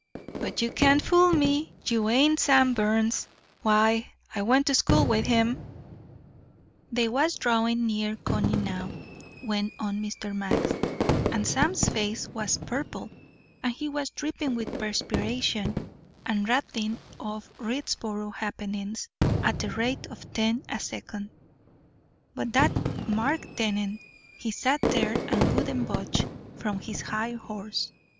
But you can't fool me. You ain't Sam Burns. Why, I went to school with him.' "They was drawing near Coney now," went on Mr. Max, "and Sam's face was purple and he was dripping with perspiration, and rattling off Readsboro happenings at the rate of ten a second, but that Mark Dennen he sat there and wouldn't budge from his high horse.